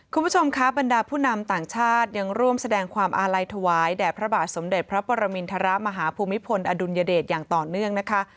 คุณผู้ชมค่ะบรรดาผู้นำต่างชาติยังร่วมแสดงความอาลัยถวายแด่พระบาทสมเด็จพระปรมินทรมาฮภูมิพลอดุลยเดชอย่างต่อเนื่องนะคะ